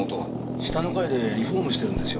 下の階でリフォームしてるんですよ。